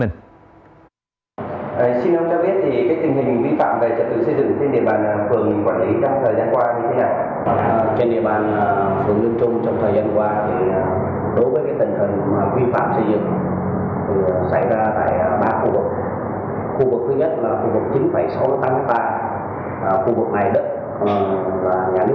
xin ông cho biết thì cái tình hình vi phạm về trật tự xây dựng trên địa bàn phường quản lý trong thời gian qua như thế nào